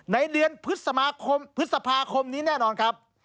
ในเดือนพฤษภาคมนี้แน่นอนครับ